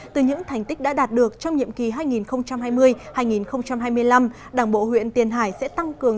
từ những thành tích đã đạt được trong nhiệm kỳ hai nghìn hai mươi hai nghìn hai mươi năm đảng bộ huyện tiền hải sẽ tăng cường